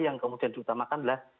yang kemudian diutamakan adalah